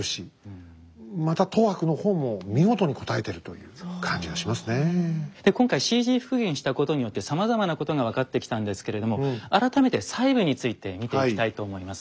もうこれを見るとほんとにあの今回ＣＧ復元したことによってさまざまなことが分かってきたんですけれども改めて細部について見ていきたいと思います。